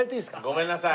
ごめんなさい。